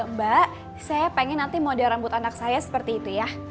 mbak saya pengen nanti model rambut anak saya seperti itu ya